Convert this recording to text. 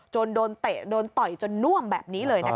โดนเตะโดนต่อยจนน่วมแบบนี้เลยนะคะ